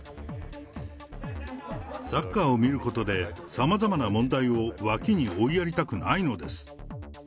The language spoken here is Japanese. サッカーを見ることで、さまざまな問題を脇に追いやりたくないのです。